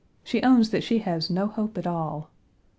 She owns that she has no hope at all.